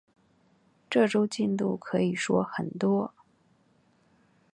这周进度可以说很多